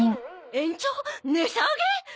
延長？値下げ！？